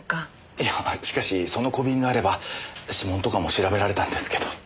いやしかしその小瓶があれば指紋とかも調べられたんですけど。